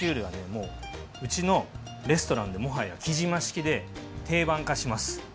もううちのレストランでもはやきじま式で定番化します。